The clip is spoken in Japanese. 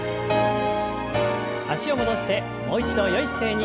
脚を戻してもう一度よい姿勢に。